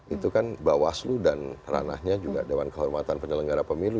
itu kan bawaslu dan ranahnya juga dewan kehormatan penyelenggara pemilu